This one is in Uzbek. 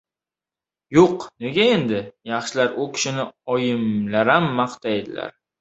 — Yo‘q, nega endi, yaxshilar. U kishini oyimlaram maqtaydilar…